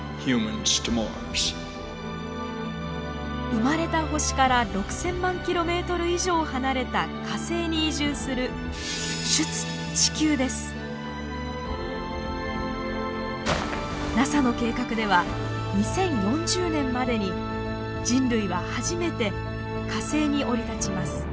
生まれた星から６，０００万キロメートル以上離れた火星に移住するＮＡＳＡの計画では２０４０年までに人類は初めて火星に降り立ちます。